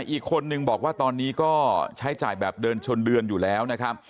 อีกคนนึงบอกว่าตอนนี้ก็ใช้จ่ายแบบเดินชนเดือนอยู่แล้วนะครับ